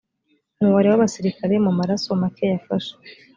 umubare w’ abasirikari mu maraso make yafashe